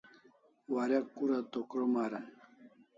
Warek kura to krom aran